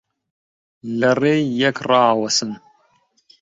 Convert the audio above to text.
لە ڕێی یەک ڕائەوەسن